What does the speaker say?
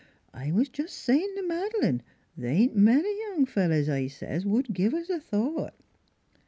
I was jest a sayin' t' Mad'lane, * Th' ain't many young fellers,' I says, * would give us a thought.'